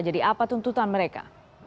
jadi apa tuntutan mereka